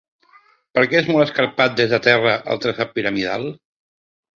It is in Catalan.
Per què és molt escarpat des de terra el traçat piramidal?